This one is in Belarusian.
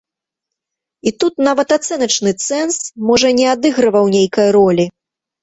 І тут нават ацэначны цэнз, можа, не адыгрываў нейкай ролі.